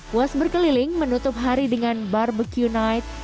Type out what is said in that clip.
puas berkeliling menutup hari dengan barbecue night